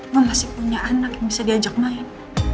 gue masih punya anak yang bisa diajak main